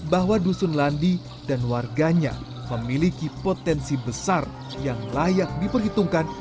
bahwa dusun landi dan warganya memiliki potensi besar yang layak diperhitungkan